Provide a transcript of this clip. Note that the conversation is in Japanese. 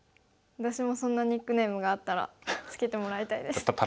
私もそんなニックネームがあったらつけてもらいたいです。